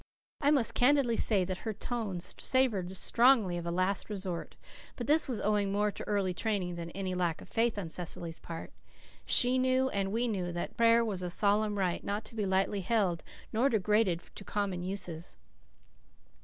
I must candidly say that her tone savoured strongly of a last resort; but this was owing more to early training than to any lack of faith on Cecily's part. She knew and we knew, that prayer was a solemn rite, not to be lightly held, nor degraded to common uses.